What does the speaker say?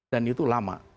dan itu lama